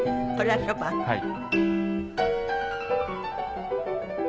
はい。